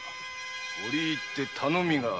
折り入って頼みがある。